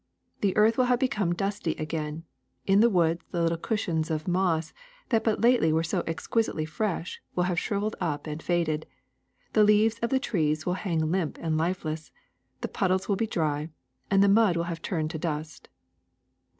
The earth will have become dusty again, in the woods the little cushions of moss that but lately were so exquisitely fresh will have shriveled up and faded, the leaves of the trees will hang limp and lifeless, the puddles will be dry, and the mud will have turned to dust.